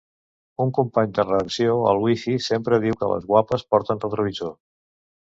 Un company de redacció al Wifi sempre diu que les guapes porten retrovisor.